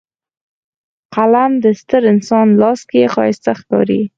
قلم د ستر انسان لاس کې ښایسته ښکاري